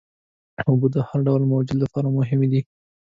اوبه د هر ډول موجود لپاره مهمې دي.